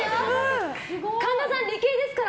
神田さん、理系ですから。